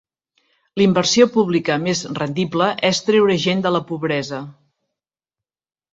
L'inversió pública més rendible és treure gent de la pobresa.